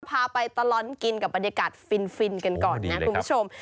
พาไปตลอดกินกับบรรยากาศฟินกันก่อนนะคุณผู้ชม